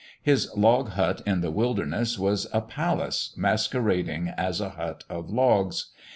His log hut in the wilderness was a palace masquerading as a hut of logs.